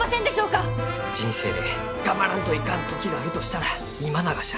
人生で頑張らんといかん時があるとしたら今ながじゃ。